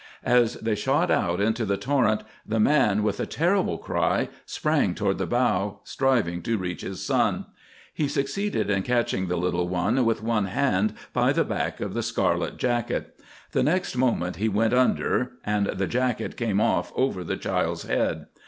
As they shot out into the torrent the man, with a terrible cry, sprang toward the bow, striving to reach his son. He succeeded in catching the little one, with one hand, by the back of the scarlet jacket. The next moment he went under and the jacket came off over the child's head.